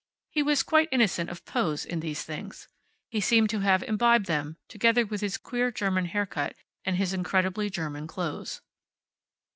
He was quite innocent of pose in these things. He seemed to have imbibed them, together with his queer German haircut, and his incredibly German clothes.